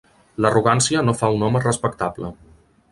L'arrogància no fa a un home respectable.